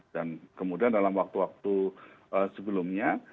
dan kemudian dalam waktu waktu sebelumnya